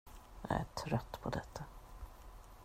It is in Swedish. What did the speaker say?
Jag är trött på detta.